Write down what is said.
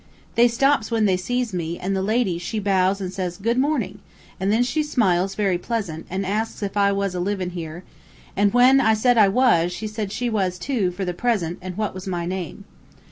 "They stops when they sees me, an' the lady she bows and says 'good mornin',' an' then she smiles, very pleasant, an' asks if I was a livin' here, an' when I said I was, she says she was too, for the present, an' what was my name.